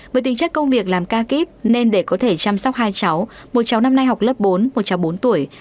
với tính chất công việc làm ca kíp nên để có thể chăm sóc hai cháu một cháu năm nay học lớp bốn một cháu bốn tuổi